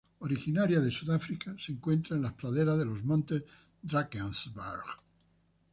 Originaria de Sudáfrica, se encuentra en las praderas de los Montes Drakensberg.